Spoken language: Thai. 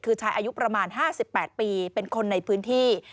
คือชายอายุประมาณ๕๘ปีเป็นคนในพื้นที่